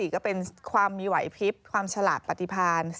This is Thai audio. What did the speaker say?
๕๔ก็เป็นความมีไหวพิพย์ความฉลากปฏิพาร